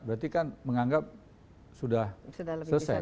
berarti kan menganggap sudah selesai